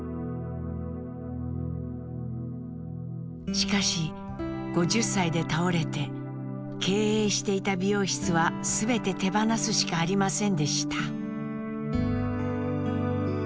しかし５０歳で倒れて経営していた美容室は全て手放すしかありませんでした。